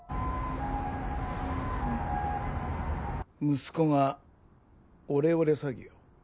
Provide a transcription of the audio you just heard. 息子がオレオレ詐欺を？